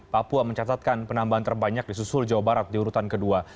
papua mencatatkan penambahan terbanyak di susul jawa barat di urutan kedua